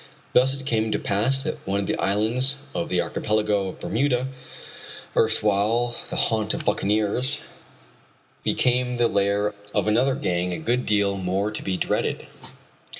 Thus it came to pass that one of the islands of the Archipelago of Bermuda, erstwhile the haunt of buccaneers, became the lair of another gang a good deal more to be dreaded.